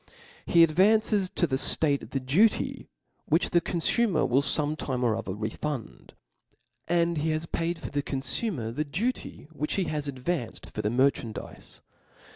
He advances to the ftate the duty, which the confumer will fome time or other refund ; and he has paid for the confumer the duty which he has advanced for the merchandize.